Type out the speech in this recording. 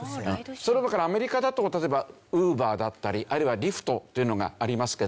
だからアメリカだと例えばＵｂｅｒだったりあるいはＬｙｆｔというのがありますけど。